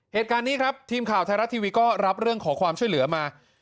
เหตุการณ์นี้ครับทีมข่าวไทยรัฐทีวีก็รับเรื่องขอความช่วยเหลือมา